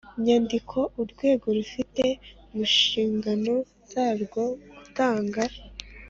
Nyandiko urwego rufite mu nshingano zarwo gutanga